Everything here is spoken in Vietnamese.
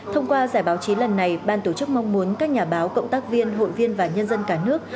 thông qua giải báo chí lần này ban tổ chức mong muốn các nhà báo cộng tác viên hội viên và nhân dân cả nước